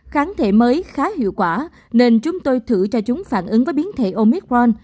kháng thể mới khá hiệu quả nên chúng tôi thử cho chúng phản ứng với biến thể omicron